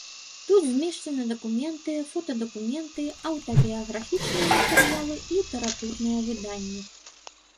Тут змешчаны дакументы, фотадакументы, аўтабіяграфічныя матэрыялы, літаратурныя выданні.